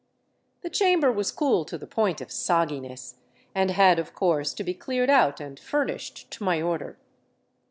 The chamber was cool to the point of sogginess and had, of course, to be cleared out and furnished to my order.